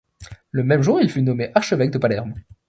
Le même jour, il fut nommé archevêque de Palerme.